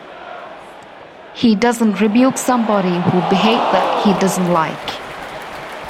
He doesn't rebuke somebody who behave that he doesn't like.